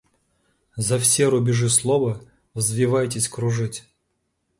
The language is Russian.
За все рубежи слова — взвивайтесь кружить.